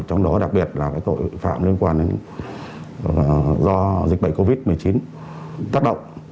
trong đó đặc biệt là tội phạm liên quan đến do dịch bệnh covid một mươi chín tác động